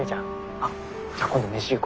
あっじゃあ今度飯行こう。